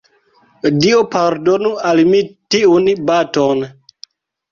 Dio pardonu al mi tiun baton!